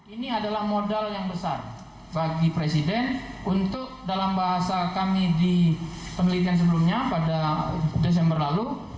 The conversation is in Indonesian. ini adalah modal yang besar bagi presiden untuk dalam bahasa kami di penelitian sebelumnya pada desember lalu